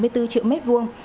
ba bảy mươi bốn triệu mét vuông